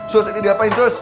sus ini diapain sus